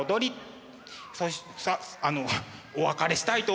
お別れしたいと思います。